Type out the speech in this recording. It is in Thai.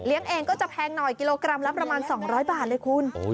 เองก็จะแพงหน่อยกิโลกรัมละประมาณ๒๐๐บาทเลยคุณ